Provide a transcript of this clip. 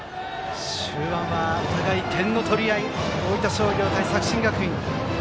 終盤はお互い点の取り合い大分商業対作新学院。